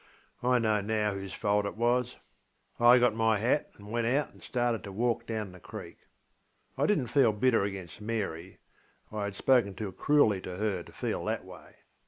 I know now whose fault it was. I got my hat and went out and started to walk down the creek. I didnŌĆÖt feel bitter against MaryŌĆöI had spoken too cruelly to her to feel that way.